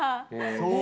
そう！